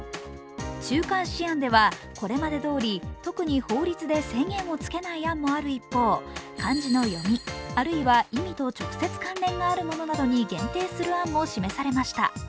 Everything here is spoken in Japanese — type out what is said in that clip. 中間試案ではこれまでどおり特に法律で制限をつけない案もある一方、漢字の読み、あるいは意味と直接関連のあるものなどに限定する案も示されました。